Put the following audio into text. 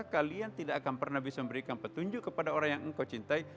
kalian tidak akan pernah bisa memberikan petunjuk kepada orang yang engkau cintai